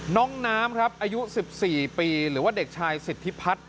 น้องน้ำครับอายุ๑๔ปีหรือว่าเด็กชายสิทธิพัฒน์